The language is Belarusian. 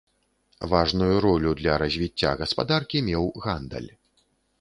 Важную ролю для развіцця гаспадаркі меў гандаль.